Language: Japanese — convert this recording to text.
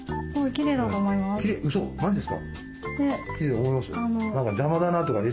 きれいだと思います？